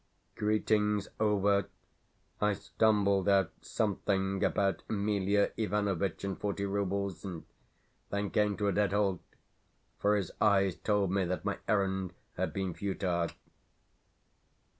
Greetings over, I stumbled out something about Emelia Ivanovitch and forty roubles, and then came to a dead halt, for his eyes told me that my errand had been futile.